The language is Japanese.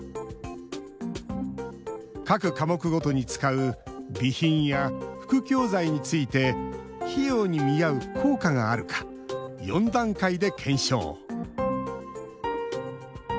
各科目ごとに使う備品や副教材について費用に見合う効果があるか４段階で検証。